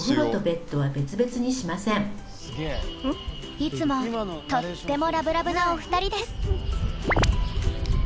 いつもとってもラブラブなお二人です。